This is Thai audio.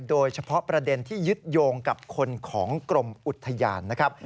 โดยเฉพาะประเด็นที่ยึดโยงกับคนของกรมอุทยานนะครับ